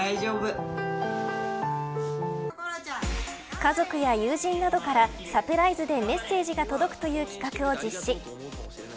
家族や友人などからサプライズでメッセージが届くという企画を実施。